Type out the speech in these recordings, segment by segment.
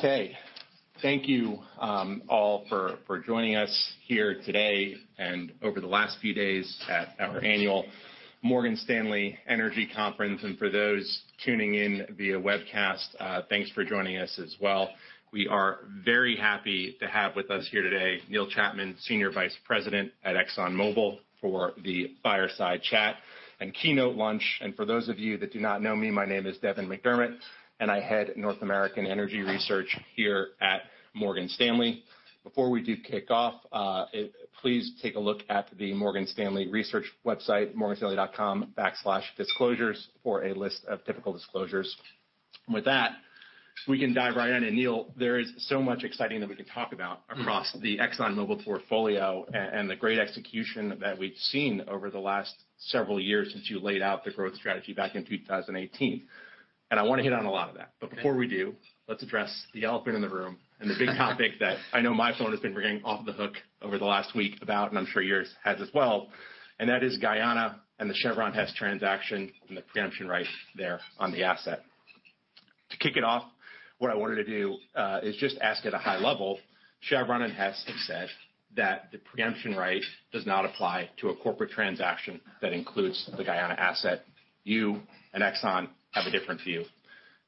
Okay. Thank you, all for, for joining us here today and over the last few days at our Annual Morgan Stanley Energy Conference. For those tuning in via webcast, thanks for joining us as well. We are very happy to have with us here today Neil Chapman, Senior Vice President at ExxonMobil for the fireside chat and keynote lunch. For those of you that do not know me, my name is Devin McDermott, and I head North American Energy Research here at Morgan Stanley. Before we do kick off, please take a look at the Morgan Stanley research website, morganstanley.com/disclosures, for a list of typical disclosures. With that, we can dive right in. And Neil, there is so much exciting that we can talk about across the ExxonMobil portfolio and the great execution that we've seen over the last several years since you laid out the growth strategy back in 2018. And I wanna hit on a lot of that. But before we do, let's address the elephant in the room and the big topic that I know my phone has been ringing off the hook over the last week about, and I'm sure yours has as well. And that is Guyana and the Chevron-Hess transaction and the preemption right there on the asset. To kick it off, what I wanted to do is just ask at a high level, Chevron and Hess have said that the preemption right does not apply to a corporate transaction that includes the Guyana asset. You and ExxonMobil have a different view.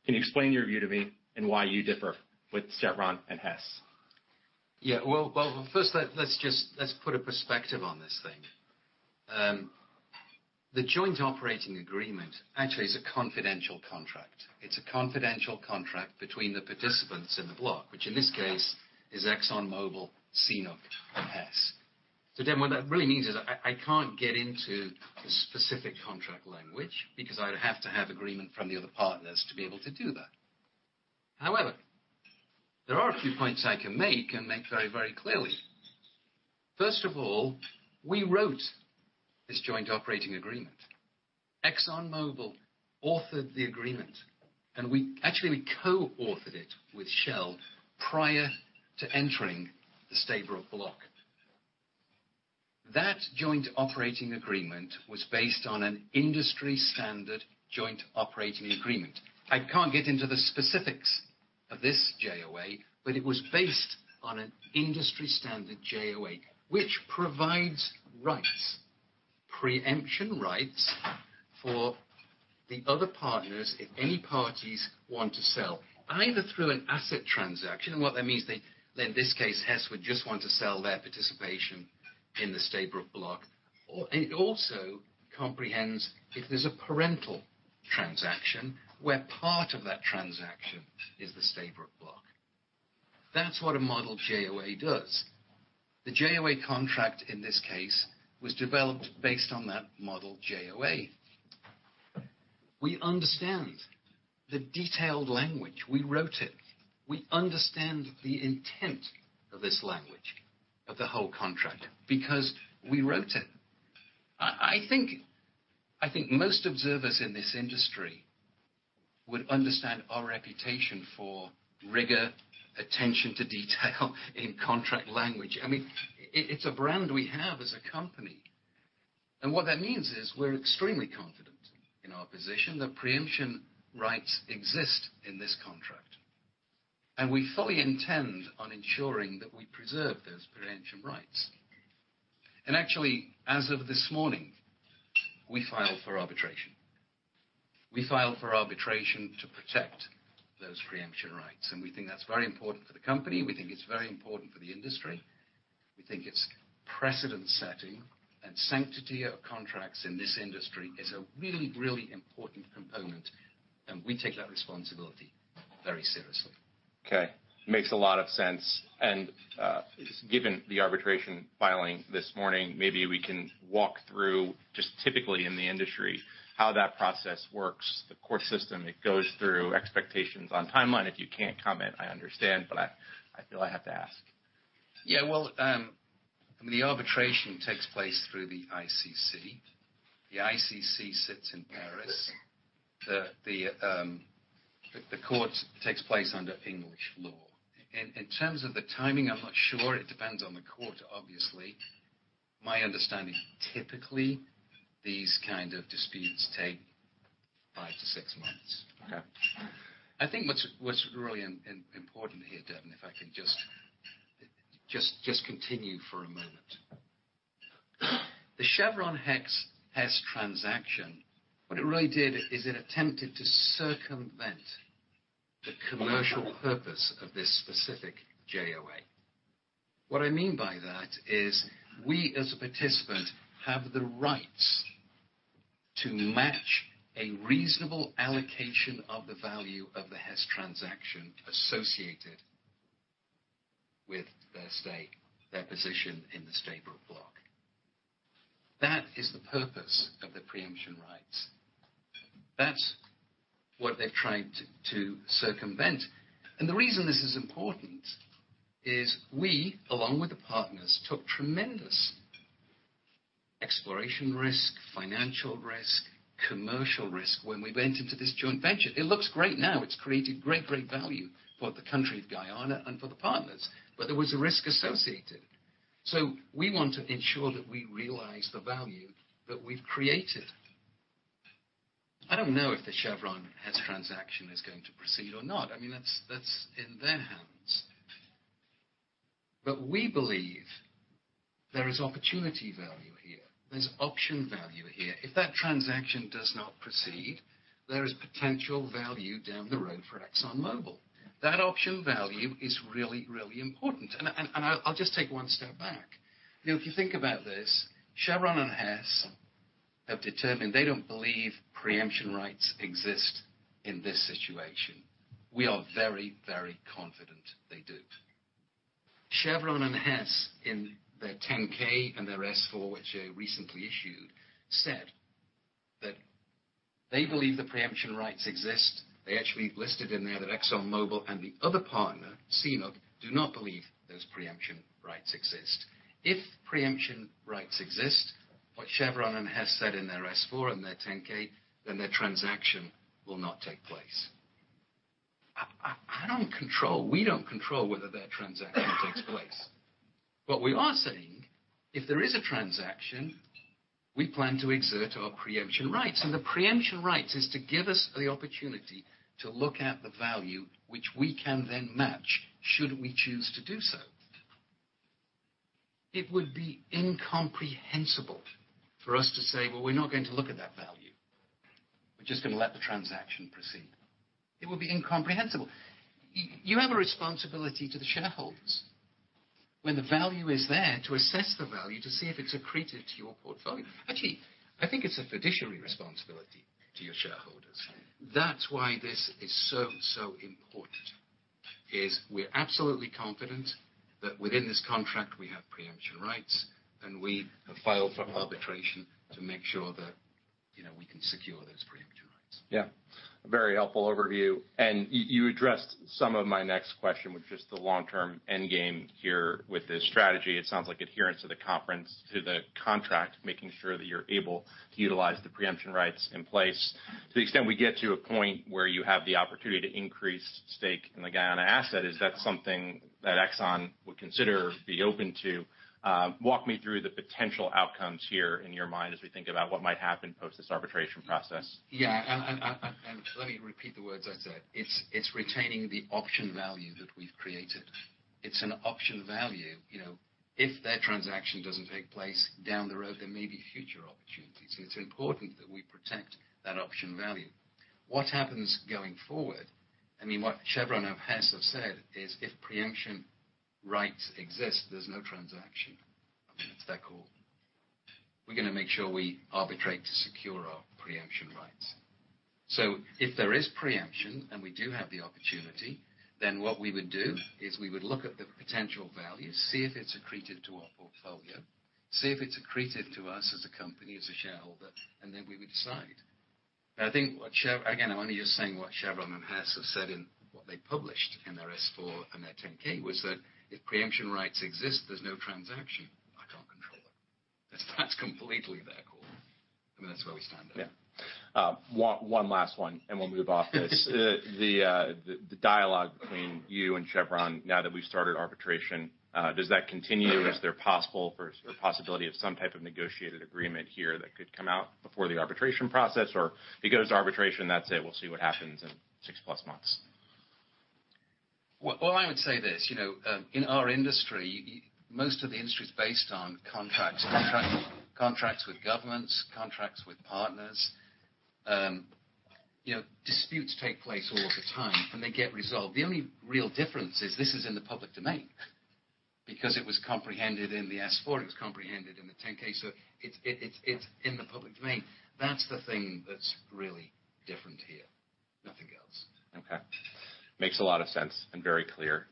Can you explain your view to me and why you differ with Chevron and Hess? Yeah. Well, well, well, first, let's just put a perspective on this thing. The joint operating agreement actually is a confidential contract. It's a confidential contract between the participants in the block, which in this case is ExxonMobil, CNOOC, and Hess. So Devin, what that really means is I, I can't get into the specific contract language because I'd have to have agreement from the other partners to be able to do that. However, there are a few points I can make and make very, very clearly. First of all, we wrote this joint operating agreement. ExxonMobil authored the agreement, and we actually, we co-authored it with Shell prior to entering the Stabroek Block. That joint operating agreement was based on an industry-standard joint operating agreement. I can't get into the specifics of this JOA, but it was based on an industry-standard JOA, which provides rights, preemption rights, for the other partners, if any parties want to sell, either through an asset transaction - and what that means, they in this case, Hess would just want to sell their participation in the Stabroek Block - or and it also comprehends if there's a parental transaction where part of that transaction is the Stabroek Block. That's what a model JOA does. The JOA contract in this case was developed based on that model JOA. We understand the detailed language. We wrote it. We understand the intent of this language, of the whole contract, because we wrote it. I think most observers in this industry would understand our reputation for rigor, attention to detail in contract language. I mean, it's a brand we have as a company. And what that means is we're extremely confident in our position that preemption rights exist in this contract. And we fully intend on ensuring that we preserve those preemption rights. And actually, as of this morning, we filed for arbitration. We filed for arbitration to protect those preemption rights. And we think that's very important for the company. We think it's very important for the industry. We think it's precedent-setting. And sanctity of contracts in this industry is a really, really important component. And we take that responsibility very seriously. Okay. Makes a lot of sense. And, given the arbitration filing this morning, maybe we can walk through, just typically in the industry, how that process works, the court system. It goes through expectations on timeline. If you can't comment, I understand, but I feel I have to ask. Yeah. Well, I mean, the arbitration takes place through the ICC. The ICC sits in Paris. The court takes place under English law. In terms of the timing, I'm not sure. It depends on the court, obviously. My understanding, typically, these kind of disputes take five to six months. Okay. I think what's really important here, Devin, if I can just continue for a moment. The Chevron-Hess transaction, what it really did is it attempted to circumvent the commercial purpose of this specific JOA. What I mean by that is we, as a participant, have the rights to match a reasonable allocation of the value of the Hess transaction associated with their stake, their position in the Stabroek Block. That is the purpose of the preemption rights. That's what they've tried to circumvent. And the reason this is important is we, along with the partners, took tremendous exploration risk, financial risk, commercial risk when we went into this joint venture. It looks great now. It's created great, great value for the country of Guyana and for the partners. But there was a risk associated. So we want to ensure that we realize the value that we've created. I don't know if the Chevron-Hess transaction is going to proceed or not. I mean, that's, that's in their hands. But we believe there is opportunity value here. There's option value here. If that transaction does not proceed, there is potential value down the road for ExxonMobil. That option value is really, really important. And I'll just take one step back. You know, if you think about this, Chevron and Hess have determined they don't believe preemption rights exist in this situation. We are very, very confident they do. Chevron and Hess, in their 10-K and their S-4, which they recently issued, said that they believe the preemption rights exist. They actually listed in there that ExxonMobil and the other partner, CNOOC, do not believe those preemption rights exist. If preemption rights exist, what Chevron and Hess said in their S-4 and their 10-K, then their transaction will not take place. I don't control. We don't control whether their transaction takes place. What we are saying, if there is a transaction, we plan to exert our preemption rights. And the preemption rights is to give us the opportunity to look at the value, which we can then match should we choose to do so. It would be incomprehensible for us to say, "Well, we're not going to look at that value. We're just gonna let the transaction proceed." It would be incomprehensible. You have a responsibility to the shareholders when the value is there to assess the value, to see if it's accretive to your portfolio. Actually, I think it's a fiduciary responsibility to your shareholders. That's why this is so, so important, is we're absolutely confident that within this contract, we have preemption rights, and we have filed for arbitration to make sure that, you know, we can secure those preemption rights. Yeah. Very helpful overview. And you, you addressed some of my next question, which is the long-term endgame here with this strategy. It sounds like adherence to the terms of the contract, making sure that you're able to utilize the preemption rights in place. To the extent we get to a point where you have the opportunity to increase stake in the Guyana asset, is that something that Exxon would consider, or be open to? Walk me through the potential outcomes here in your mind as we think about what might happen post this arbitration process. Yeah. Let me repeat the words I said. It's retaining the option value that we've created. It's an option value. You know, if their transaction doesn't take place, down the road, there may be future opportunities. And it's important that we protect that option value. What happens going forward? I mean, what Chevron and Hess have said is if preemption rights exist, there's no transaction. I mean, that's their call. We're gonna make sure we arbitrate to secure our preemption rights. So if there is preemption and we do have the opportunity, then what we would do is we would look at the potential value, see if it's accretive to our portfolio, see if it's accretive to us as a company, as a shareholder, and then we would decide. I think what Chevron, again, I'm only just saying what Chevron and Hess have said in what they published in their S-4 and their 10-K was that if preemption rights exist, there's no transaction. I can't control it. That's, that's completely their call. I mean, that's where we stand at. Yeah. One last one, and we'll move off this. The dialogue between you and Chevron now that we've started arbitration, does that continue? Is there possibility of some type of negotiated agreement here that could come out before the arbitration process? Or if it goes to arbitration, that's it. We'll see what happens in 6+ months. Well, well, I would say this. You know, in our industry, most of the industry is based on contracts, contracts, contracts with governments, contracts with partners. You know, disputes take place all of the time, and they get resolved. The only real difference is this is in the public domain because it was comprehended in the S-4. It was comprehended in the 10-K. So it's, it's, it's, it's in the public domain. That's the thing that's really different here. Nothing else. Okay. Makes a lot of sense and very clear.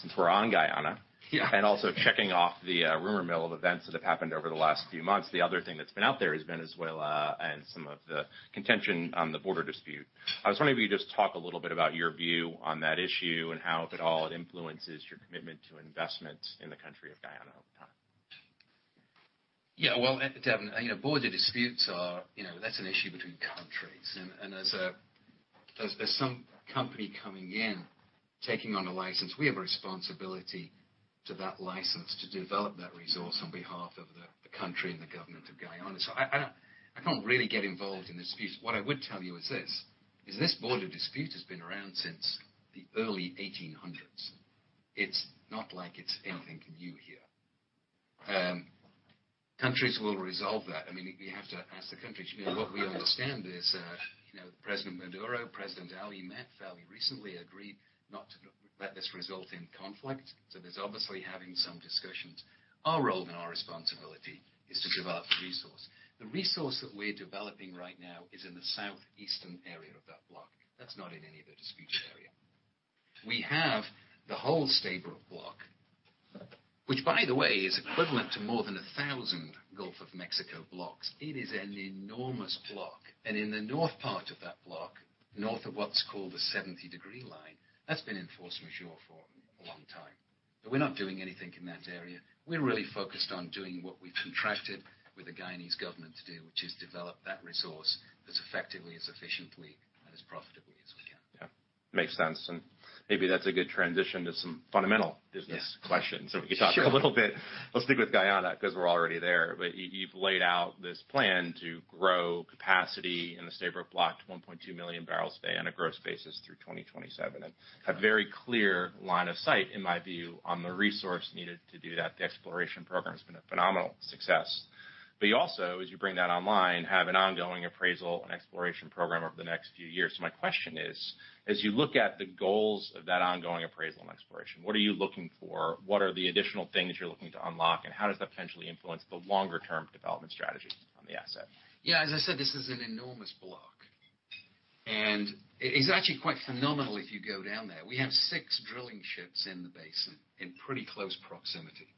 Since we're on Guyana. Yeah. And also checking off the rumor mill of events that have happened over the last few months, the other thing that's been out there has been Venezuela and some of the contention on the border dispute. I was wondering if you could just talk a little bit about your view on that issue and how, if at all, it influences your commitment to investment in the country of Guyana over time. Yeah. Well, and Devin, you know, border disputes are, you know, that's an issue between countries. And as a company coming in, taking on a license, we have a responsibility to that license to develop that resource on behalf of the country and the government of Guyana. So I don't, I can't really get involved in disputes. What I would tell you is this: this border dispute has been around since the early 1800s. It's not like it's anything new here. Countries will resolve that. I mean, you have to ask the countries. You know, what we understand is, you know, President Maduro, President Ali met fairly recently, agreed not to let this result in conflict. So there's obviously having some discussions. Our role and our responsibility is to develop the resource. The resource that we're developing right now is in the southeastern area of that block. That's not in any of the disputed area. We have the whole Stabroek Block, which, by the way, is equivalent to more than 1,000 Gulf of Mexico blocks. It is an enormous block. In the north part of that block, north of what's called the 70-degree line, that's been enforced de jure for a long time. But we're not doing anything in that area. We're really focused on doing what we've contracted with the Guyanese government to do, which is develop that resource as effectively, as efficiently, and as profitably as we can. Yeah. Makes sense. Maybe that's a good transition to some fundamental business. Yes. Questions. So we can talk. Sure. A little bit. We'll stick with Guyana 'cause we're already there. But you've laid out this plan to grow capacity in the Stabroek Block to 1.2 million barrels a day on a gross basis through 2027 and have very clear line of sight, in my view, on the resource needed to do that. The exploration program's been a phenomenal success. But you also, as you bring that online, have an ongoing appraisal and exploration program over the next few years. So my question is, as you look at the goals of that ongoing appraisal and exploration, what are you looking for? What are the additional things you're looking to unlock? And how does that potentially influence the longer-term development strategy on the asset? Yeah. As I said, this is an enormous block. And it's actually quite phenomenal if you go down there. We have six drilling ships in the basin in pretty close proximity.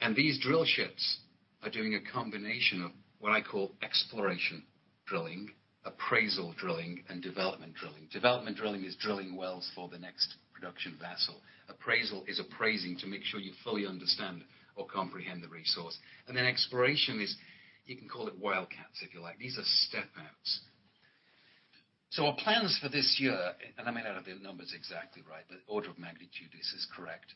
And these drill ships are doing a combination of what I call exploration drilling, appraisal drilling, and development drilling. Development drilling is drilling wells for the next production vessel. Appraisal is appraising to make sure you fully understand or comprehend the resource. And then exploration is you can call it wildcats if you like. These are step-outs. So our plans for this year and I may not have the numbers exactly right, but order of magnitude, this is correct.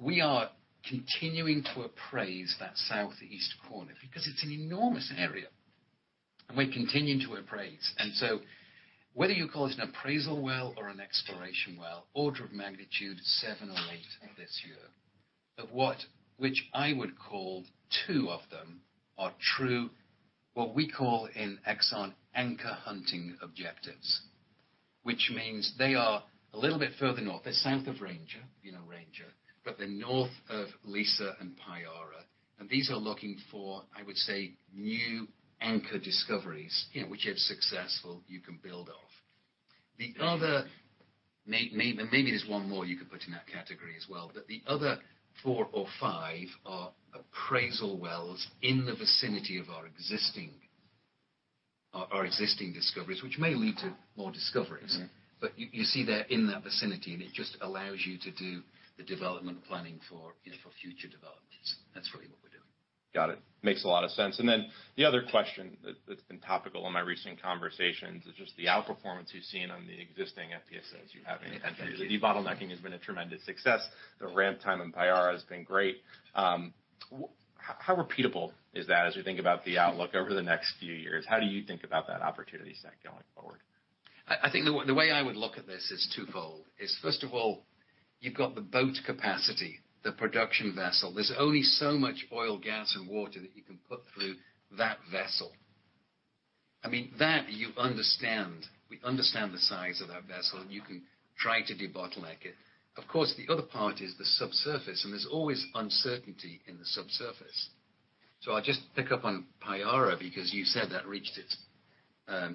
We are continuing to appraise that southeast corner because it's an enormous area. And we continue to appraise. So whether you call it an appraisal well or an exploration well, order of magnitude 7 or 8 this year of what which I would call 2 of them are true what we call in Exxon anchor-hunting objectives, which means they are a little bit further north. They're south of Ranger, you know, Ranger, but they're north of Liza and Payara. And these are looking for, I would say, new anchor discoveries, you know, which if successful, you can build off. The other. Okay. Maybe there's one more you could put in that category as well. But the other four or five are appraisal wells in the vicinity of our existing discoveries, which may lead to more discoveries. Mm-hmm. But you see they're in that vicinity, and it just allows you to do the development planning for, you know, for future developments. That's really what we're doing. Got it. Makes a lot of sense. And then the other question that's been topical in my recent conversations is just the outperformance you've seen on the existing FPSOs you have in the country. Yeah. The de-bottlenecking has been a tremendous success. The ramp time in Payara has been great. How repeatable is that as we think about the outlook over the next few years? How do you think about that opportunity set going forward? I think the way I would look at this is twofold. It's, first of all, you've got the boat capacity, the production vessel. There's only so much oil, gas, and water that you can put through that vessel. I mean, that, you understand. We understand the size of that vessel, and you can try to de-bottleneck it. Of course, the other part is the subsurface. There's always uncertainty in the subsurface. I'll just pick up on Payara because you said that reached its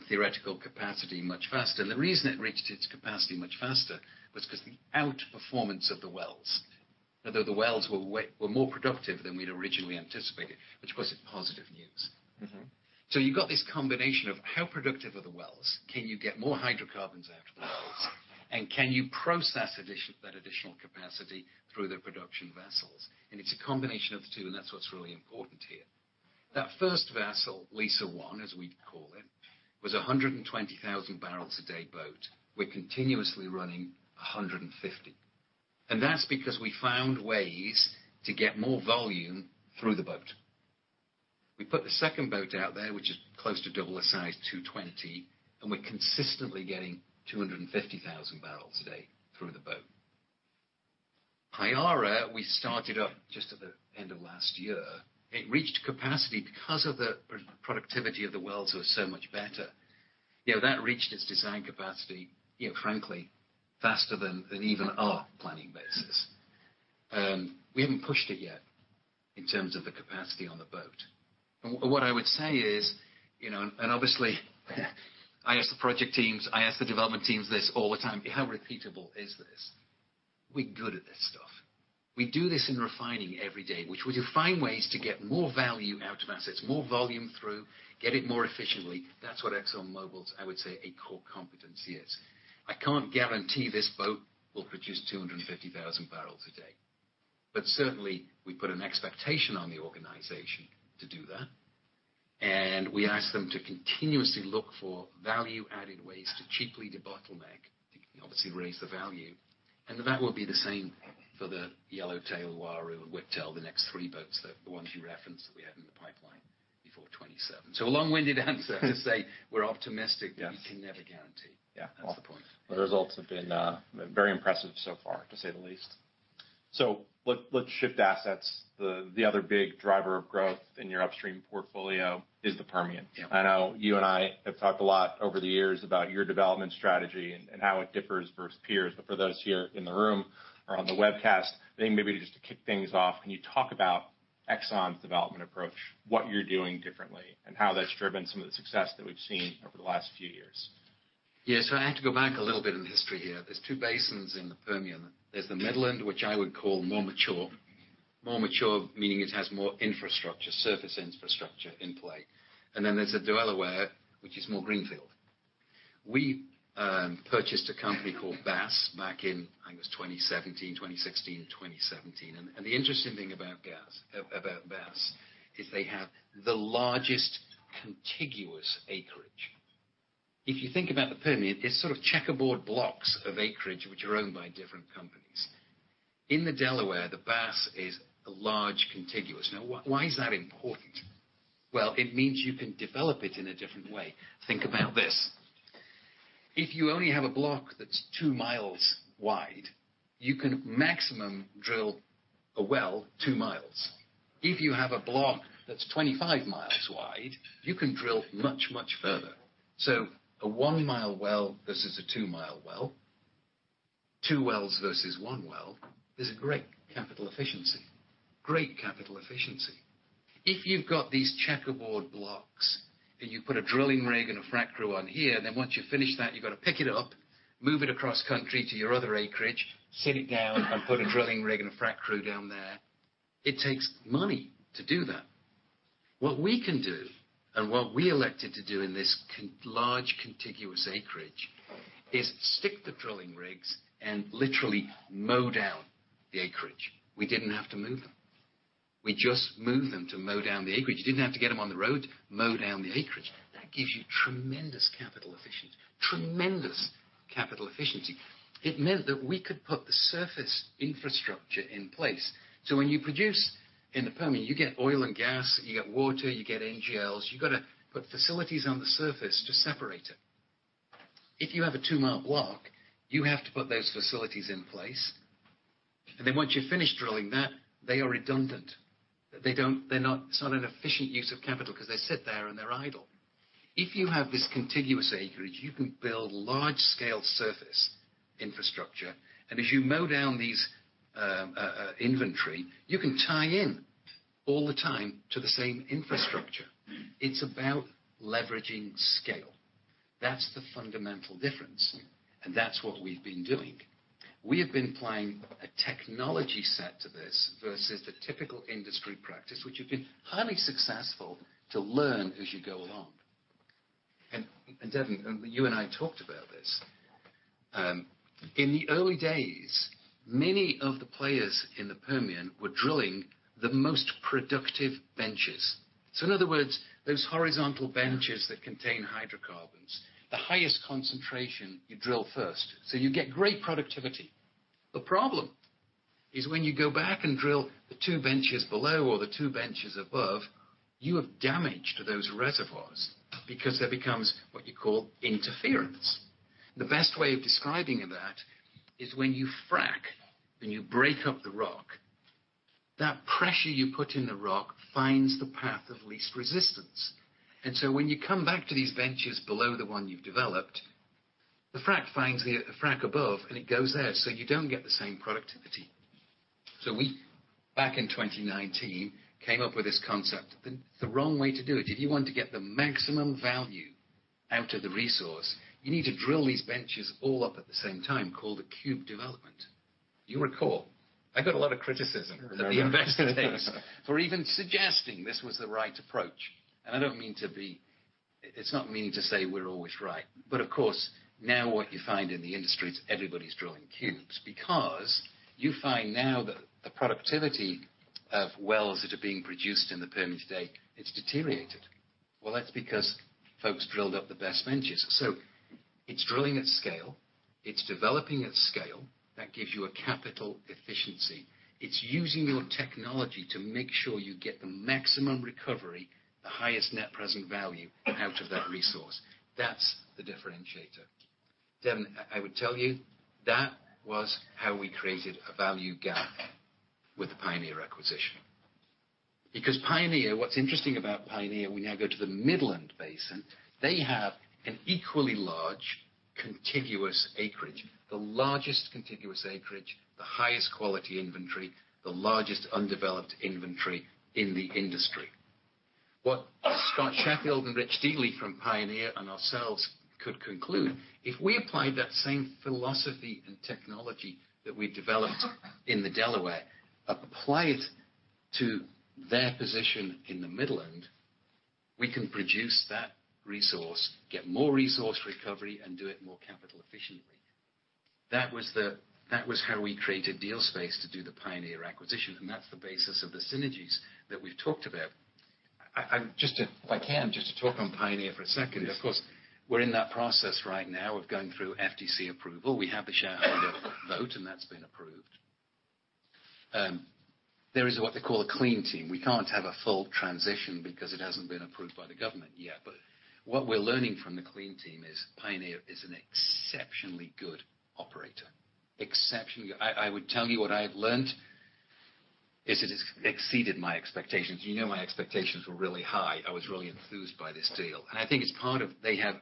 theoretical capacity much faster. And the reason it reached its capacity much faster was 'cause the outperformance of the wells, although the wells were way more productive than we'd originally anticipated, which, of course, is positive news. Mm-hmm. So you've got this combination of how productive are the wells? Can you get more hydrocarbons out of the wells? And can you process that additional capacity through the production vessels? And it's a combination of the two, and that's what's really important here. That first vessel, Liza 1, as we call it, was a 120,000-barrel-a-day boat. We're continuously running 150. And that's because we found ways to get more volume through the boat. We put the second boat out there, which is close to double the size, 220, and we're consistently getting 250,000 barrels a day through the boat. Payara, we started up just at the end of last year. It reached capacity because of the productivity of the wells was so much better. You know, that reached its design capacity, you know, frankly, faster than even our planning basis. We haven't pushed it yet in terms of the capacity on the boat. And what I would say is, you know, and obviously, I ask the project teams, I ask the development teams this all the time, "How repeatable is this?" We're good at this stuff. We do this in refining every day, which we do find ways to get more value out of assets, more volume through, get it more efficiently. That's what ExxonMobil's, I would say, a core competency is. I can't guarantee this boat will produce 250,000 barrels a day. But certainly, we put an expectation on the organization to do that. And we ask them to continuously look for value-added ways to cheaply de-bottleneck, to obviously raise the value. And that will be the same for the Yellowtail, Uaru, and Whiptail, the next three boats, the ones you referenced that we had in the pipeline before 2027. So a long-winded answer to say we're optimistic. Yes. We can never guarantee. Yeah. That's the point. Well, the results have been very impressive so far, to say the least. So let's shift assets. The other big driver of growth in your upstream portfolio is the Permian. Yeah. I know you and I have talked a lot over the years about your development strategy and how it differs versus peers. But for those here in the room or on the webcast, I think maybe just to kick things off, can you talk about Exxon's development approach, what you're doing differently, and how that's driven some of the success that we've seen over the last few years? Yeah. So I have to go back a little bit in history here. There's two basins in the Permian. There's the Midland, which I would call more mature, more mature, meaning it has more infrastructure, surface infrastructure, in play. And then there's the Delaware, which is more greenfield. We purchased a company called Bass back in, I think, it was 2017, 2016, 2017. And, and the interesting thing about Bass is they have the largest contiguous acreage. If you think about the Permian, it's sort of checkerboard blocks of acreage, which are owned by different companies. In the Delaware, the Bass is a large contiguous. Now, why is that important? Well, it means you can develop it in a different way. Think about this. If you only have a block that's two miles wide, you can maximum drill a well two miles. If you have a block that's 25 miles wide, you can drill much, much further. So a 1-mile well versus a 2-mile well, 2 wells versus 1 well, there's a great capital efficiency, great capital efficiency. If you've got these checkerboard blocks, and you put a drilling rig and a frac crew on here, then once you finish that, you've got to pick it up, move it across country to your other acreage, sit it down, and put a drilling rig and a frac crew down there. It takes money to do that. What we can do and what we elected to do in this, our large contiguous acreage is stick the drilling rigs and literally mow down the acreage. We didn't have to move them. We just moved them to mow down the acreage. You didn't have to get them on the road, mow down the acreage. That gives you tremendous capital efficiency, tremendous capital efficiency. It meant that we could put the surface infrastructure in place. So when you produce in the Permian, you get oil and gas, you get water, you get NGLs. You've got to put facilities on the surface to separate it. If you have a 2-mile block, you have to put those facilities in place. And then once you're finished drilling that, they are redundant. They're not. It's not an efficient use of capital 'cause they sit there, and they're idle. If you have this contiguous acreage, you can build large-scale surface infrastructure. And as you mow down this inventory, you can tie in all the time to the same infrastructure. It's about leveraging scale. That's the fundamental difference. And that's what we've been doing. We have been applying a technology set to this versus the typical industry practice, which have been highly successful to learn as you go along. And, and Devin, and you and I talked about this. In the early days, many of the players in the Permian were drilling the most productive benches. So in other words, those horizontal benches that contain hydrocarbons, the highest concentration, you drill first. So you get great productivity. The problem is when you go back and drill the two benches below or the two benches above, you have damage to those reservoirs because there becomes what you call interference. The best way of describing that is when you frac and you break up the rock, that pressure you put in the rock finds the path of least resistance. And so when you come back to these benches below the one you've developed, the frac finds the frac above, and it goes there. So you don't get the same productivity. So we, back in 2019, came up with this concept. The wrong way to do it. If you want to get the maximum value out of the resource, you need to drill these benches all up at the same time, called a Cube development. You recall, I got a lot of criticism. Very nice. Of the investigators for even suggesting this was the right approach. And I don't mean to be. It's not meaning to say we're always right. But of course, now what you find in the industry is everybody's drilling cubes because you find now that the productivity of wells that are being produced in the Permian today, it's deteriorated. Well, that's because folks drilled up the best benches. So it's drilling at scale. It's developing at scale. That gives you a capital efficiency. It's using your technology to make sure you get the maximum recovery, the highest net present value, out of that resource. That's the differentiator. Devin, I, I would tell you that was how we created a value gap with the Pioneer acquisition. Because Pioneer, what's interesting about Pioneer, we now go to the Midland Basin. They have an equally large contiguous acreage, the largest contiguous acreage, the highest quality inventory, the largest undeveloped inventory in the industry. What Scott Sheffield and Rich Dealy from Pioneer and ourselves could conclude, if we applied that same philosophy and technology that we developed in the Delaware, applied it to their position in the Midland, we can produce that resource, get more resource recovery, and do it more capital efficiently. That was how we created deal space to do the Pioneer acquisition. And that's the basis of the synergies that we've talked about. I'm just, if I can, just to talk on Pioneer for a second. Yes. Of course, we're in that process right now of going through FTC approval. We have the shareholder vote, and that's been approved. There is what they call a clean team. We can't have a full transition because it hasn't been approved by the government yet. But what we're learning from the clean team is Pioneer is an exceptionally good operator, exceptionally good. I, I would tell you what I've learned is it has exceeded my expectations. You know, my expectations were really high. I was really enthused by this deal. And I think it's part of they have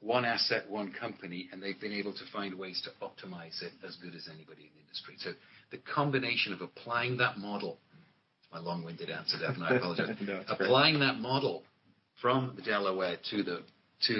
one asset, one company, and they've been able to find ways to optimize it as good as anybody in the industry. So the combination of applying that model it's my long-winded answer, Devin. I apologize. No. Applying that model from the Delaware to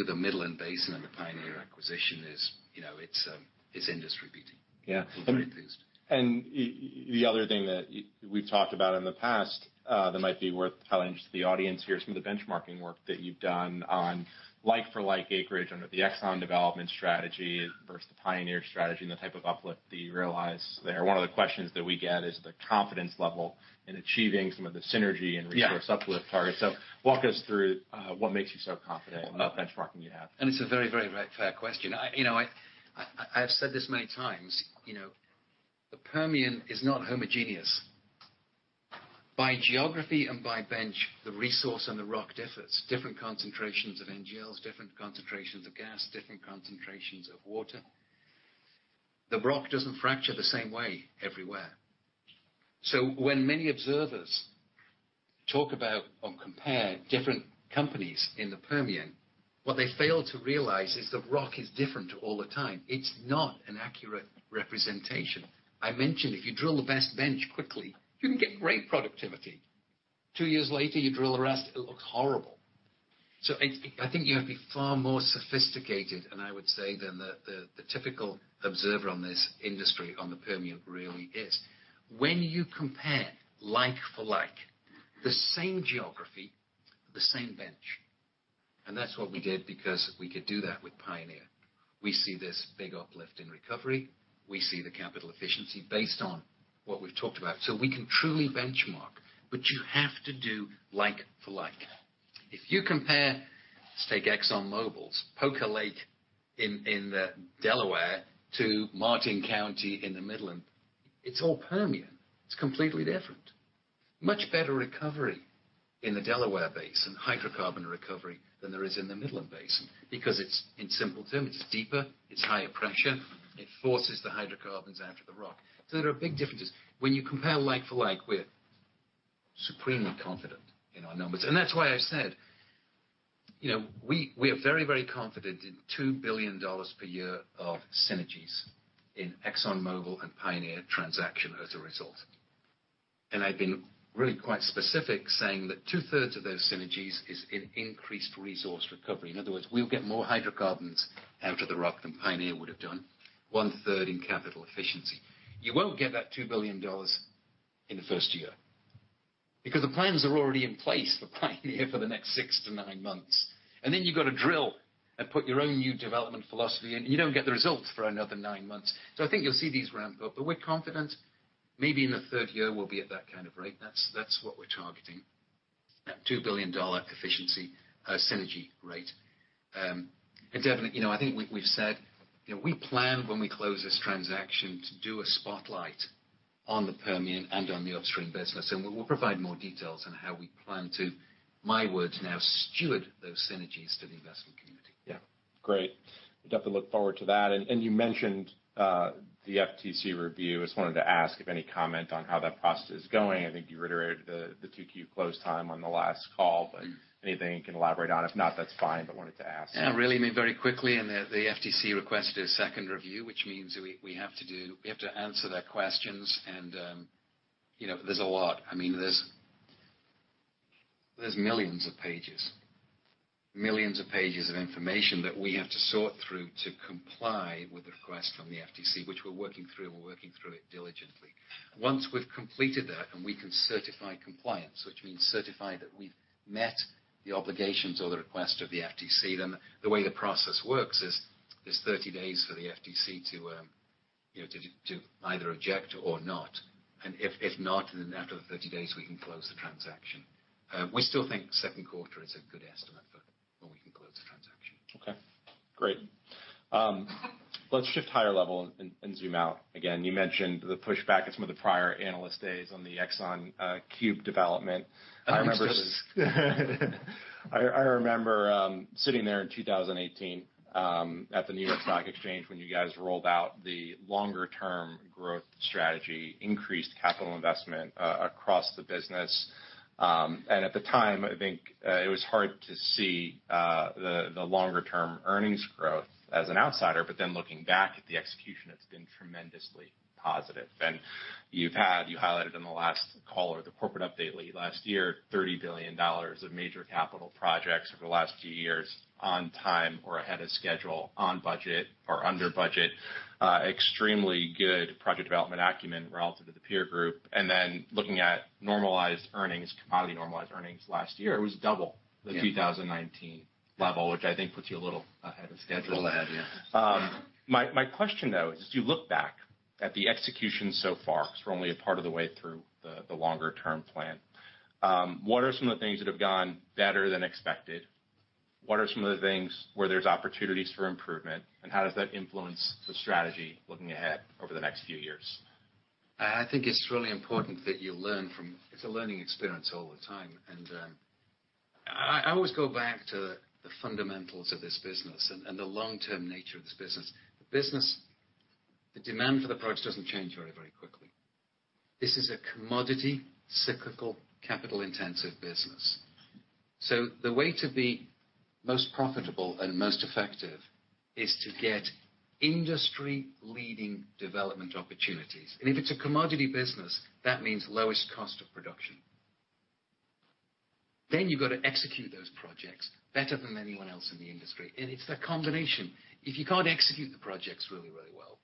the Midland Basin and the Pioneer acquisition is, you know, it's, it's industry-beating. Yeah. I'm very enthused. The other thing that we've talked about in the past, that might be worth highlighting to the audience here, some of the benchmarking work that you've done on like-for-like acreage under the Exxon development strategy versus the Pioneer strategy and the type of uplift that you realize there. One of the questions that we get is the confidence level in achieving some of the synergy and resource uplift targets. Yeah. Walk us through, what makes you so confident in the benchmarking you have? It's a very, very right, fair question. I, you know, have said this many times. You know, the Permian is not homogeneous. By geography and by bench, the resource and the rock differs. Different concentrations of NGLs, different concentrations of gas, different concentrations of water. The rock doesn't fracture the same way everywhere. So when many observers talk about or compare different companies in the Permian, what they fail to realize is the rock is different all the time. It's not an accurate representation. I mentioned, if you drill the best bench quickly, you can get great productivity. Two years later, you drill the rest, it looks horrible. So I think you have to be far more sophisticated, and I would say, than the typical observer on this industry on the Permian really is. When you compare like-for-like, the same geography, the same bench, and that's what we did because we could do that with Pioneer. We see this big uplift in recovery. We see the capital efficiency based on what we've talked about. So we can truly benchmark. But you have to do like-for-like. If you compare, let's take ExxonMobil's Poker Lake in the Delaware Basin to Martin County in the Midland Basin, it's all Permian. It's completely different. Much better recovery in the Delaware Basin, hydrocarbon recovery, than there is in the Midland Basin because it's, in simple terms, it's deeper, it's higher pressure, it forces the hydrocarbons out of the rock. So there are big differences. When you compare like-for-like, we're supremely confident in our numbers. And that's why I said, you know, we are very, very confident in $2 billion per year of synergies in ExxonMobil and Pioneer transaction as a result. And I've been really quite specific saying that 2/3 of those synergies is in increased resource recovery. In other words, we'll get more hydrocarbons out of the rock than Pioneer would have done, 1/3 in capital efficiency. You won't get that $2 billion in the first year because the plans are already in place for Pioneer for the next 6-9 months. And then you've got to drill and put your own new development philosophy in, and you don't get the results for another 9 months. So I think you'll see these ramp up. But we're confident maybe in the third year, we'll be at that kind of rate. That's what we're targeting, that $2 billion efficiency, synergy rate. And, Devin, you know, I think we've said, you know, we plan, when we close this transaction, to do a spotlight on the Permian and on the upstream business. And we'll provide more details on how we plan to, in my words now, steward those synergies to the investment community. Yeah. Great. We'd have to look forward to that. And you mentioned the FTC review. I just wanted to ask if any comment on how that process is going. I think you reiterated the Q2 close time on the last call. But anything you can elaborate on? If not, that's fine. But wanted to ask. Yeah. Really, I mean, very quickly. And the FTC requested a second review, which means we have to answer their questions. And, you know, there's a lot. I mean, there's millions of pages, millions of pages of information that we have to sort through to comply with the request from the FTC, which we're working through. We're working through it diligently. Once we've completed that and we can certify compliance, which means certify that we've met the obligations or the request of the FTC, then the way the process works is there's 30 days for the FTC to, you know, to either object or not. And if not, then after the 30 days, we can close the transaction. We still think second quarter is a good estimate for when we can close the transaction. Okay. Great. Let's shift higher level and zoom out. Again, you mentioned the pushback at some of the prior analyst days on the Exxon Cube development. I remember. I just. I remember sitting there in 2018 at the New York Stock Exchange when you guys rolled out the longer-term growth strategy, increased capital investment across the business. At the time, I think it was hard to see the longer-term earnings growth as an outsider. But then looking back at the execution, it's been tremendously positive. And you've highlighted in the last call or the corporate update lead last year $30 billion of major capital projects over the last few years on time or ahead of schedule, on budget or under budget, extremely good project development acumen relative to the peer group. And then looking at normalized earnings, commodity normalized earnings last year, it was double the 2019 level, which I think puts you a little ahead of schedule. A little ahead, yeah. My question, though, is, as you look back at the execution so far 'cause we're only a part of the way through the longer-term plan, what are some of the things that have gone better than expected? What are some of the things where there's opportunities for improvement? And how does that influence the strategy looking ahead over the next few years? I think it's really important that you learn from it. It's a learning experience all the time. And I always go back to the fundamentals of this business and the long-term nature of this business. The business, the demand for the products, doesn't change very quickly. This is a commodity cyclical, capital-intensive business. So the way to be most profitable and most effective is to get industry-leading development opportunities. And if it's a commodity business, that means lowest cost of production. Then you've got to execute those projects better than anyone else in the industry. And it's that combination. If you can't execute the projects really well,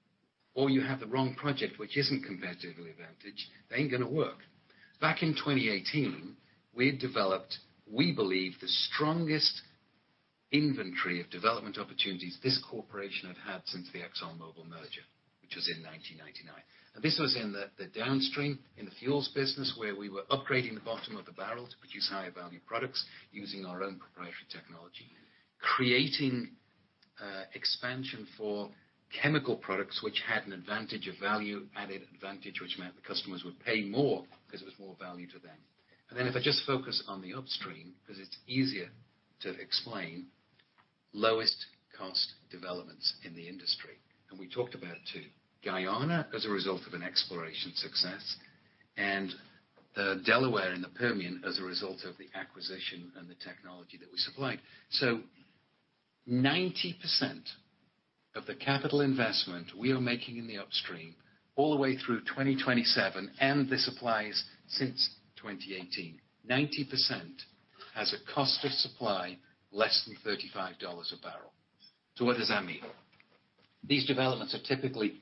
or you have the wrong project, which isn't competitively advantaged, they ain't going to work. Back in 2018, we had developed, we believe, the strongest inventory of development opportunities this corporation had had since the ExxonMobil merger, which was in 1999. This was in the downstream in the fuels business where we were upgrading the bottom of the barrel to produce higher-value products using our own proprietary technology, creating expansion for chemical products, which had an advantage of value-added advantage, which meant the customers would pay more because it was more value to them. Then if I just focus on the upstream because it's easier to explain, lowest-cost developments in the industry. We talked about, too, Guyana as a result of an exploration success and the Delaware and the Permian as a result of the acquisition and the technology that we supplied. So 90% of the capital investment we are making in the upstream all the way through 2027, and this applies since 2018, 90% has a cost of supply less than $35 a barrel. So what does that mean? These developments are typically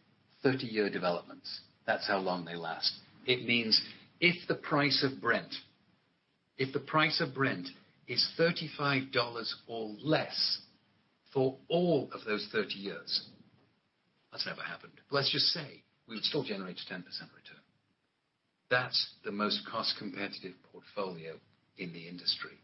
30-year developments. That's how long they last. It means if the price of Brent is $35 or less for all of those 30 years - that's never happened - but let's just say we would still generate a 10% return. That's the most cost-competitive portfolio in the industry.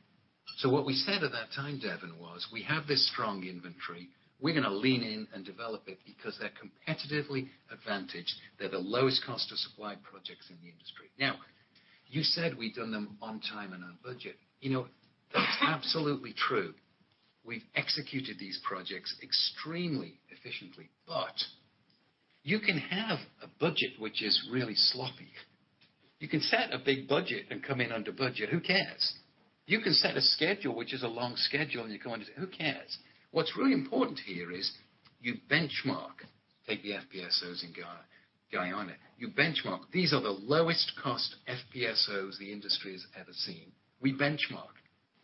So what we said at that time, Devin, was, "We have this strong inventory. We're going to lean in and develop it because they're competitively advantaged. They're the lowest cost of supply projects in the industry." Now, you said we'd done them on time and on budget. You know, that's absolutely true. We've executed these projects extremely efficiently. But you can have a budget which is really sloppy. You can set a big budget and come in under budget. Who cares? You can set a schedule which is a long schedule, and you come in and say, "Who cares?" What's really important here is you benchmark - take the FPSOs in Guyana - you benchmark, "These are the lowest-cost FPSOs the industry has ever seen." We benchmark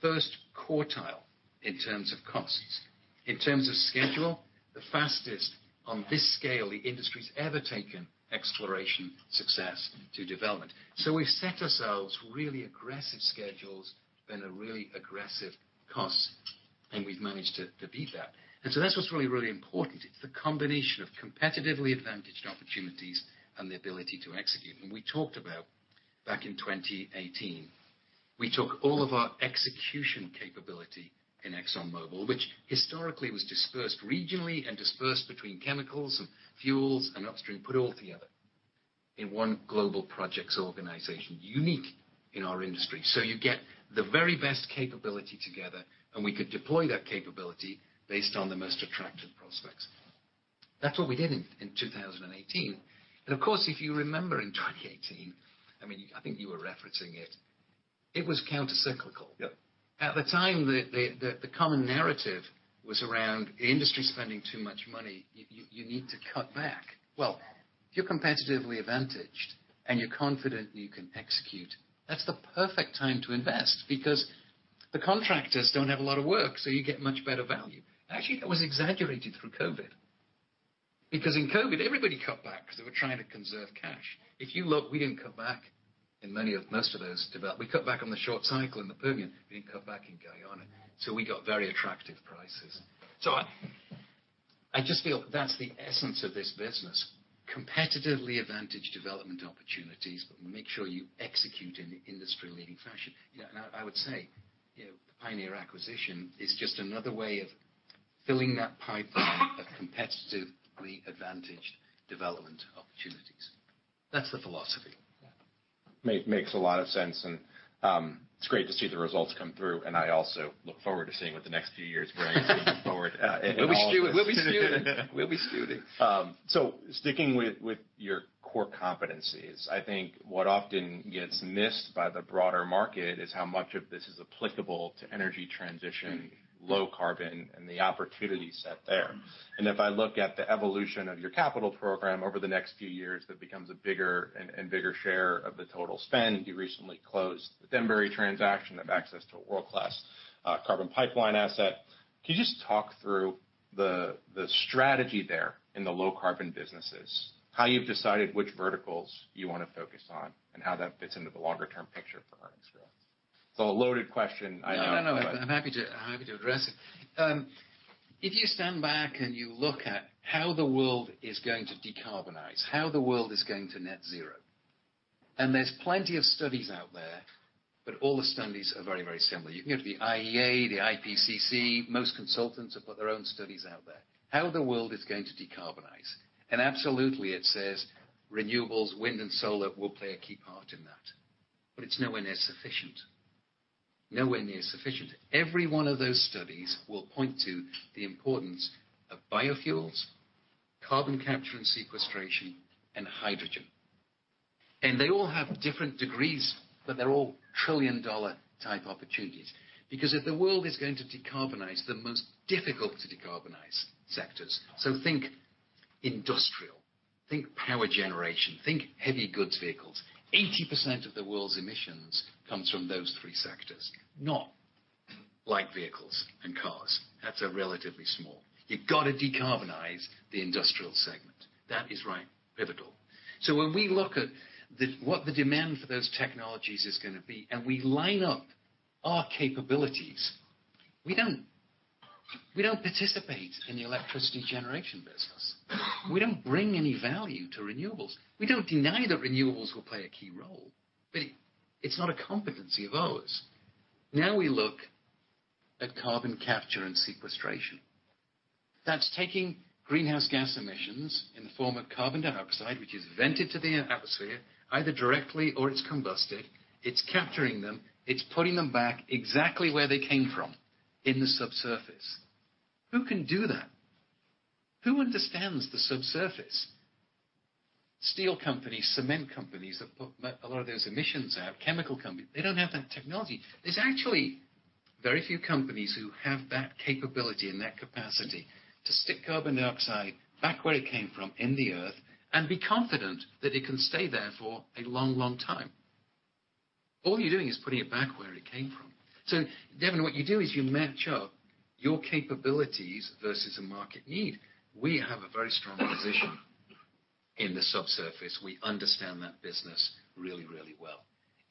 first quartile in terms of costs. In terms of schedule, the fastest on this scale the industry's ever taken exploration success to development. So we've set ourselves really aggressive schedules and a really aggressive costs. And so that's what's really, really important. It's the combination of competitively advantaged opportunities and the ability to execute. And we talked about back in 2018, we took all of our execution capability in ExxonMobil, which historically was dispersed regionally and dispersed between chemicals and fuels and upstream, put it all together in one global projects organization, unique in our industry. So you get the very best capability together, and we could deploy that capability based on the most attractive prospects. That's what we did in, in 2018. And of course, if you remember in 2018, I mean, you I think you were referencing it, it was countercyclical. Yeah. At the time, the common narrative was around industry spending too much money. You need to cut back. Well, if you're competitively advantaged and you're confident you can execute, that's the perfect time to invest because the contractors don't have a lot of work, so you get much better value. Actually, that was exaggerated through COVID because in COVID, everybody cut back because they were trying to conserve cash. If you look, we didn't cut back in many of most of those developments. We cut back on the short cycle in the Permian. We didn't cut back in Guyana. So we got very attractive prices. So I just feel that's the essence of this business, competitively advantaged development opportunities, but make sure you execute in an industry-leading fashion. You know, I would say, you know, the Pioneer acquisition is just another way of filling that pipeline of competitively advantaged development opportunities. That's the philosophy. Yeah. Makes a lot of sense. It's great to see the results come through. I also look forward to seeing what the next few years bring to the forward, and. We'll be stewing. We'll be stewing. We'll be stewing. So sticking with your core competencies, I think what often gets missed by the broader market is how much of this is applicable to energy transition, low carbon, and the opportunity set there. And if I look at the evolution of your capital program over the next few years that becomes a bigger and bigger share of the total spend, you recently closed the Denbury transaction of access to a world-class carbon pipeline asset. Can you just talk through the strategy there in the low-carbon businesses, how you've decided which verticals you want to focus on, and how that fits into the longer-term picture for earnings growth? It's a loaded question. I know. No, no, no. I'm, I'm happy to—I'm happy to address it. If you stand back and you look at how the world is going to decarbonize, how the world is going to net zero - and there's plenty of studies out there, but all the studies are very, very similar - you can go to the IEA, the IPCC, most consultants have put their own studies out there - how the world is going to decarbonize. And absolutely, it says, "Renewables, wind, and solar will play a key part in that." But it's nowhere near sufficient. Nowhere near sufficient. Every one of those studies will point to the importance of biofuels, carbon capture and sequestration, and hydrogen. They all have different degrees, but they're all trillion-dollar type opportunities because if the world is going to decarbonize, the most difficult to decarbonize sectors - so think industrial, think power generation, think heavy goods vehicles - 80% of the world's emissions comes from those three sectors, not light vehicles and cars. That's relatively small. You've got to decarbonize the industrial segment. That is, right, pivotal. So when we look at what the demand for those technologies is going to be and we line up our capabilities, we don't participate in the electricity generation business. We don't bring any value to renewables. We don't deny that renewables will play a key role. But it's not a competency of ours. Now we look at carbon capture and sequestration. That's taking greenhouse gas emissions in the form of carbon dioxide, which is vented to the atmosphere, either directly or it's combusted. It's capturing them. It's putting them back exactly where they came from, in the subsurface. Who can do that? Who understands the subsurface? Steel companies, cement companies that put a lot of those emissions out, chemical companies. They don't have that technology. There's actually very few companies who have that capability and that capacity to stick carbon dioxide back where it came from, in the earth, and be confident that it can stay there for a long, long time. All you're doing is putting it back where it came from. So Devin, what you do is you match up your capabilities versus a market need. We have a very strong position in the subsurface. We understand that business really, really well.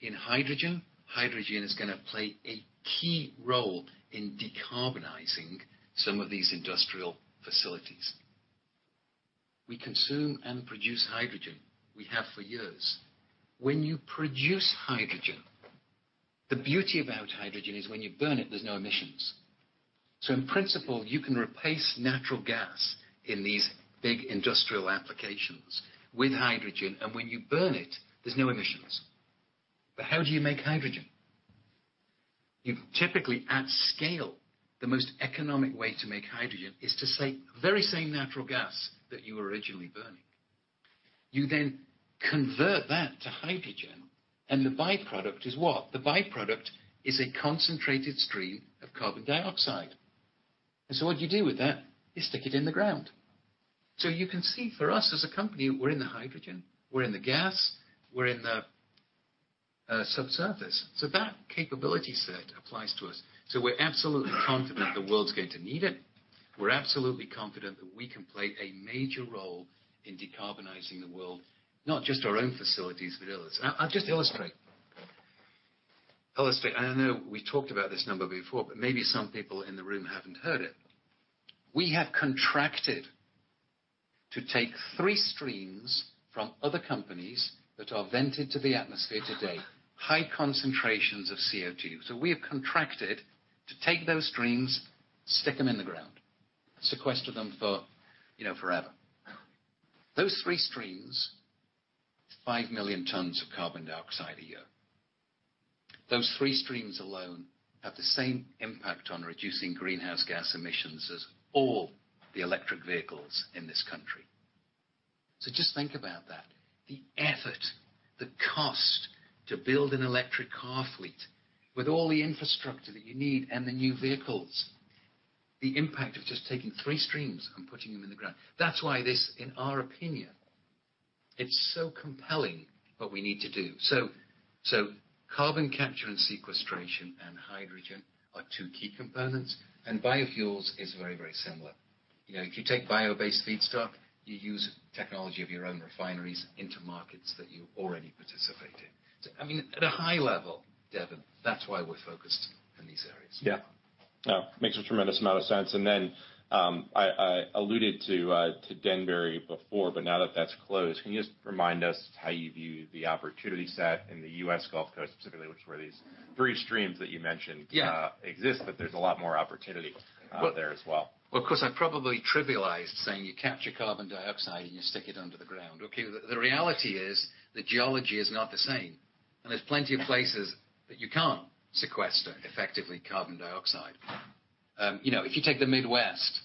In hydrogen, hydrogen is going to play a key role in decarbonizing some of these industrial facilities. We consume and produce hydrogen. We have for years. When you produce hydrogen, the beauty about hydrogen is when you burn it, there's no emissions. So in principle, you can replace natural gas in these big industrial applications with hydrogen. And when you burn it, there's no emissions. But how do you make hydrogen? You typically, at scale, the most economic way to make hydrogen is to say, "Very same natural gas that you were originally burning." You then convert that to hydrogen. And the byproduct is what? The byproduct is a concentrated stream of carbon dioxide. And so what you do with that is stick it in the ground. So you can see for us as a company, we're in the hydrogen. We're in the gas. We're in the subsurface. So that capability set applies to us. So we're absolutely confident the world's going to need it. We're absolutely confident that we can play a major role in decarbonizing the world, not just our own facilities but others. I'll just illustrate. And I know we've talked about this number before, but maybe some people in the room haven't heard it. We have contracted to take three streams from other companies that are vented to the atmosphere today, high concentrations of CO2. So we have contracted to take those streams, stick them in the ground, sequester them for, you know, forever. Those three streams, 5 million tons of carbon dioxide a year. Those three streams alone have the same impact on reducing greenhouse gas emissions as all the electric vehicles in this country. So just think about that, the effort, the cost to build an electric car fleet with all the infrastructure that you need and the new vehicles, the impact of just taking three streams and putting them in the ground. That's why this, in our opinion, it's so compelling what we need to do. So, so carbon capture and sequestration and hydrogen are two key components. And biofuels is very, very similar. You know, if you take bio-based feedstock, you use technology of your own refineries into markets that you already participate in. So, I mean, at a high level, Devin, that's why we're focused in these areas. Yeah. No, makes a tremendous amount of sense. And then, I alluded to Denbury before, but now that that's closed, can you just remind us how you view the opportunity set in the U.S. Gulf Coast specifically, which is where these three streams that you mentioned? Yeah. exist, but there's a lot more opportunity, there as well. Well, of course, I probably trivialized saying, "You capture carbon dioxide, and you stick it under the ground." Okay. The reality is the geology is not the same. And there's plenty of places that you can't sequester effectively carbon dioxide. You know, if you take the Midwest,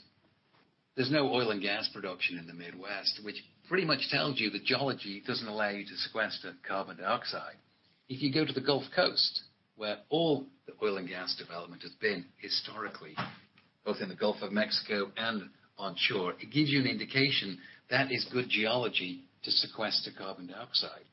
there's no oil and gas production in the Midwest, which pretty much tells you the geology doesn't allow you to sequester carbon dioxide. If you go to the Gulf Coast, where all the oil and gas development has been historically, both in the Gulf of Mexico and onshore, it gives you an indication that is good geology to sequester carbon dioxide.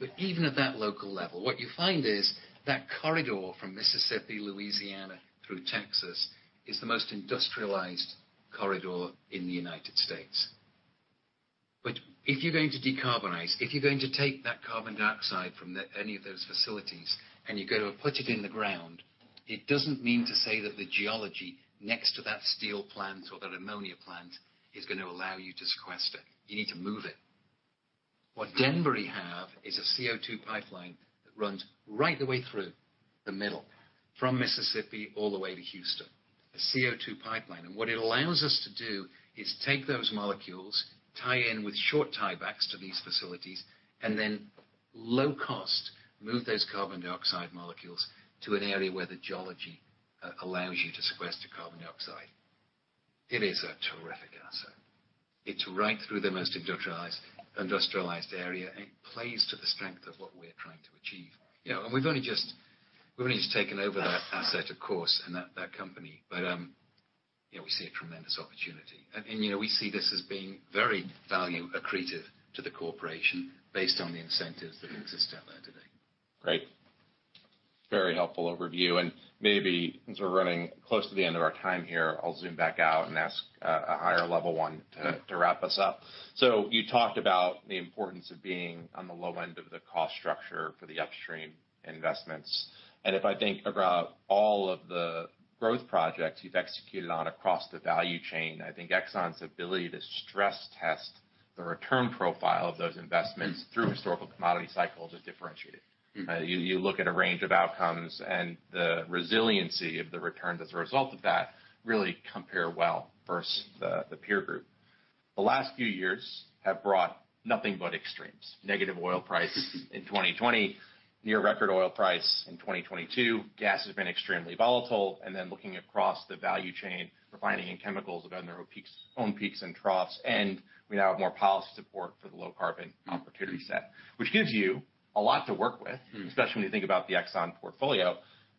But even at that local level, what you find is that corridor from Mississippi, Louisiana, through Texas is the most industrialized corridor in the United States. But if you're going to decarbonize, if you're going to take that carbon dioxide from any of those facilities and you go to put it in the ground, it doesn't mean to say that the geology next to that steel plant or that ammonia plant is going to allow you to sequester. You need to move it. What Denbury have is a CO2 pipeline that runs right the way through the middle from Mississippi all the way to Houston, a CO2 pipeline. And what it allows us to do is take those molecules, tie in with short tiebacks to these facilities, and then low-cost move those carbon dioxide molecules to an area where the geology allows you to sequester carbon dioxide. It is a terrific asset. It's right through the most industrialized area. It plays to the strength of what we're trying to achieve. You know, and we've only just taken over that asset, of course, and that company. But, you know, we see it from then as opportunity. And, you know, we see this as being very value-accretive to the corporation based on the incentives that exist out there today. Great. Very helpful overview. Maybe as we're running close to the end of our time here, I'll zoom back out and ask a higher-level one to wrap us up. You talked about the importance of being on the low end of the cost structure for the upstream investments. If I think about all of the growth projects you've executed on across the value chain, I think Exxon's ability to stress-test the return profile of those investments through historical commodity cycles is differentiated. Mm-hmm. You look at a range of outcomes, and the resiliency of the returns as a result of that really compare well versus the peer group. The last few years have brought nothing but extremes: negative oil price in 2020, near-record oil price in 2022, gas has been extremely volatile. And then looking across the value chain, refining and chemicals have gotten their own peaks and troughs. And we now have more policy support for the low-carbon opportunity set, which gives you a lot to work with. Mm-hmm. Especially when you think about the Exxon portfolio.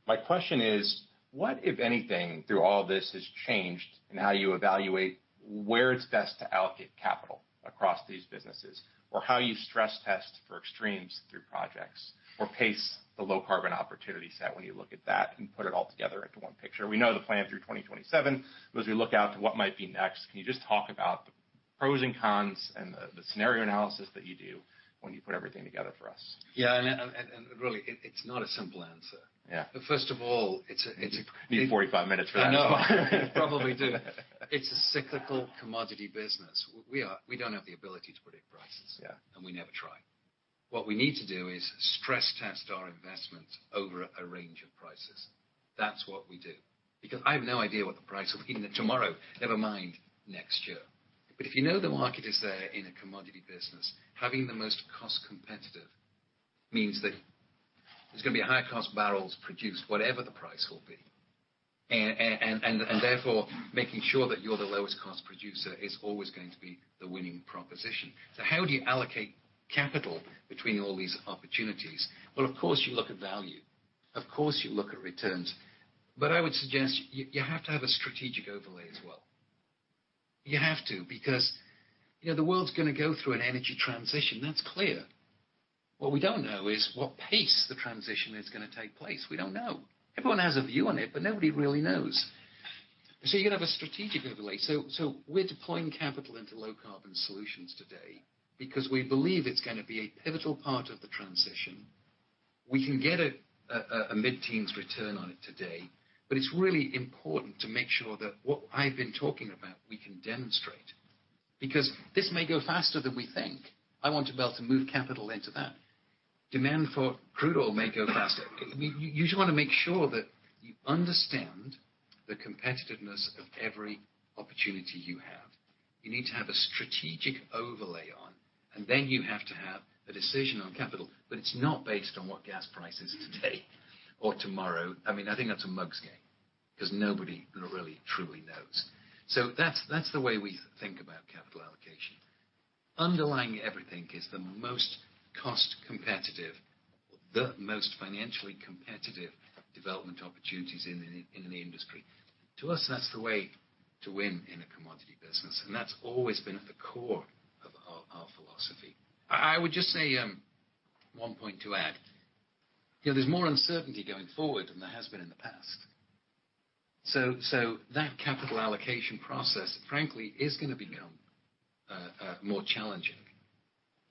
My question is, what, if anything, through all of this has changed in how you evaluate where it's best to allocate capital across these businesses, or how you stress-test for extremes through projects, or pace the low-carbon opportunity set when you look at that and put it all together into one picture? We know the plan through 2027. But as we look out to what might be next, can you just talk about the pros and cons and the scenario analysis that you do when you put everything together for us? Yeah. And really, it's not a simple answer. Yeah. First of all, it's a. Need 45 minutes for that answer. I know. I probably do. It's a cyclical commodity business. We don't have the ability to predict prices. Yeah. We never try. What we need to do is stress-test our investments over a range of prices. That's what we do because I have no idea what the price will be tomorrow, never mind next year. But if you know the market is there in a commodity business, having the most cost-competitive means that there's going to be a higher cost of barrels produced, whatever the price will be. And therefore, making sure that you're the lowest-cost producer is always going to be the winning proposition. So how do you allocate capital between all these opportunities? Well, of course, you look at value. Of course, you look at returns. But I would suggest you have to have a strategic overlay as well. You have to because, you know, the world's going to go through an energy transition. That's clear. What we don't know is what pace the transition is going to take place. We don't know. Everyone has a view on it, but nobody really knows. So you've got to have a strategic overlay. So we're deploying capital into low-carbon solutions today because we believe it's going to be a pivotal part of the transition. We can get a mid-teens return on it today. But it's really important to make sure that what I've been talking about, we can demonstrate because this may go faster than we think. I want to be able to move capital into that. Demand for crude oil may go faster. You just want to make sure that you understand the competitiveness of every opportunity you have. You need to have a strategic overlay on. And then you have to have a decision on capital. It's not based on what gas price is today or tomorrow. I mean, I think that's a mug's game because nobody really, truly knows. So that's the way we think about capital allocation. Underlying everything is the most cost-competitive, the most financially competitive development opportunities in the industry. To us, that's the way to win in a commodity business. And that's always been at the core of our philosophy. I would just say one point to add. You know, there's more uncertainty going forward than there has been in the past. So that capital allocation process, frankly, is going to become more challenging.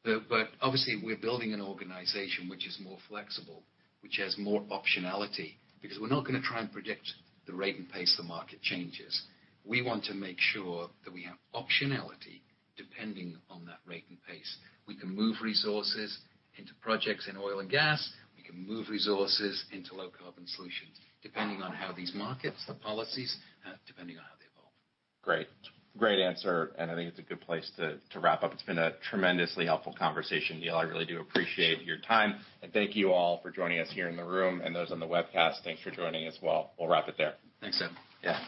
But obviously, we're building an organization which is more flexible, which has more optionality because we're not going to try and predict the rate and pace the market changes. We want to make sure that we have optionality depending on that rate and pace. We can move resources into projects in oil and gas. We can move resources into low-carbon solutions depending on how these markets, the policies, depending on how they evolve. Great. Great answer. I think it's a good place to wrap up. It's been a tremendously helpful conversation, Neil. I really do appreciate your time. And thank you all for joining us here in the room and those on the webcast. Thanks for joining as well. We'll wrap it there. Thanks, Devin. Yeah.